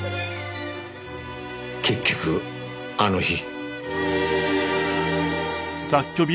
結局あの日。